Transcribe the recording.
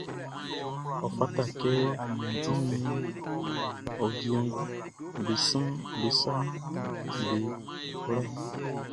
Ɔ fata kɛ a wun ɔ wienguʼm be saʼm be wlɛ.